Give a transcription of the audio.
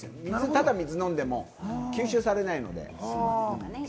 ただ水飲んでも吸収されないので。